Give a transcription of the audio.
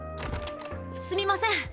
すみません。